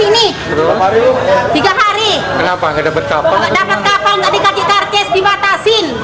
nggak dapat kapal tadi kajik kardes dibatasin